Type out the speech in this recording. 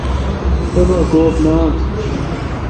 تبہ کوب نہ آس۔